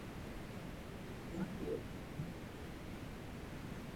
Ili mkulima apate faida zaidi ya viazi lishe